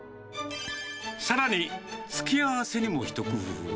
さらに、付け合わせにも一工夫。